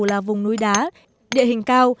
là vùng núi đá địa hình cao